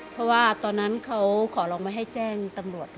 เพราะว่าตอนนั้นเขาขอลองไม่ให้แจ้งตำรวจ